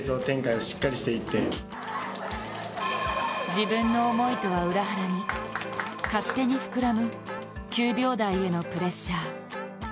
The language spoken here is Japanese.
自分の思いとは裏腹に勝手に膨らむ９秒台へのプレッシャー。